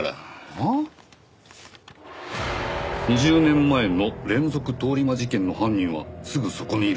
「２０年前の連続通り魔事件の犯人はすぐそこにいる」